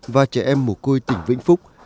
và trẻ em một côi tỉnh vĩnh phúc